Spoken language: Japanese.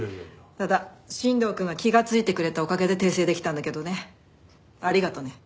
ただ新藤くんが気がついてくれたおかげで訂正できたんだけどね。ありがとね。